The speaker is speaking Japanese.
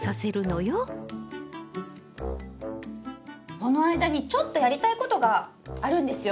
この間にちょっとやりたいことがあるんですよ。